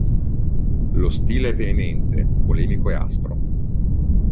Lo stile è veemente, polemico e aspro.